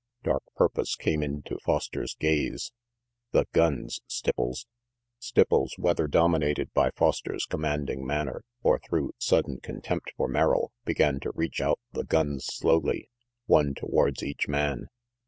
Dark purpose came into Foster's gaze. "The guns, Stipples!" RANGY PETE 397 Stipples, whether dominated by Foster's command ing manner, or through sudden contempt for Merrill, began to reach out the guns slowly, one towards each man.